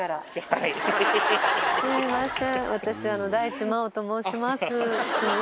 すいません。